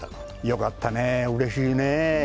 よかったね、うれしいねぇ。